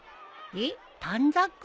えっ短冊？